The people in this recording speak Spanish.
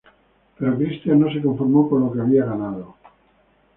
Pero Cristián no se conformó con lo que había ganado.